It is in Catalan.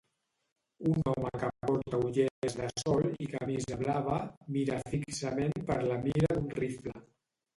Un home que porta ulleres de sol i camisa blava mira fixament per la mira d'un rifle.